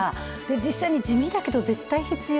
実際に地味だけど絶対必要。